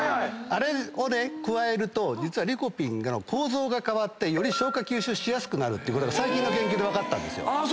あれをね加えると実はリコピンの構造が変わってより消化吸収しやすくなることが最近の研究で分かったんですよ。